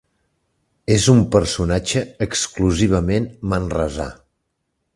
És un personatge exclusivament manresà.